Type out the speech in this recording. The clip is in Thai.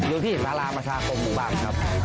คุณส่งมากี่ฝาครับ